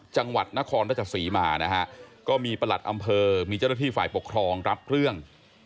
จังหวัดนครราชสีมานะฮะก็มีประหลัดอำเภอมีเจ้าหน้าที่ฝ่ายปกครองรับเรื่อง